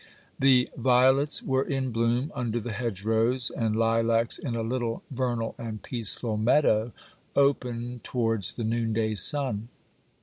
The violets were in bloom under the hedgerows, and lilacs in a little vernal and peaceful meadow open towards the noon day sun.